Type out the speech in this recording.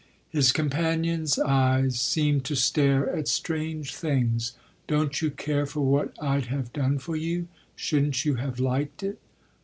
His companion's eyes seemed to stare at strange things. "Don't you care for what I'd have done for you shouldn't you have liked it?"